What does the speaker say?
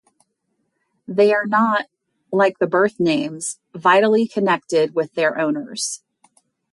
They are not, like the birth-names, vitally connected with their owners.